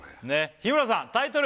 日村さんタイトル